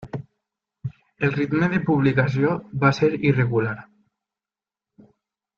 El ritme de publicació va ser irregular.